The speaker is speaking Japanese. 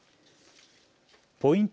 ポイント